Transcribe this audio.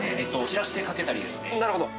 散らしてかけたりですね。